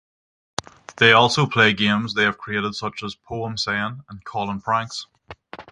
They also play games they have created such as "Poem Sayin" and "Callin Pranks".